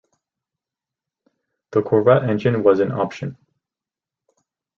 The Corvette engine was an option.